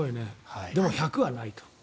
でも１００はないか。